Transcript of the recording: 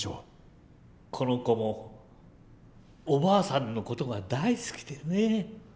この子もおばあさんの事が大好きでね。